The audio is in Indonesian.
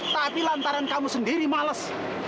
tapi lantaran kamu sendiri males